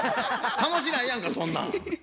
楽しないやんかそんなん。